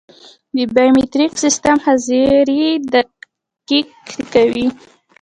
د بایومتریک سیستم حاضري دقیق کوي